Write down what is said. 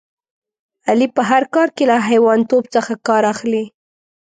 علي په هر کار کې له حیوانتوب څخه کار اخلي.